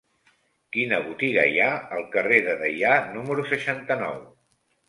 Quina botiga hi ha al carrer de Deià número seixanta-nou?